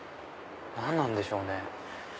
何なんでしょうね？